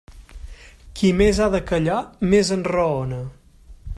Qui més ha de callar, més enraona.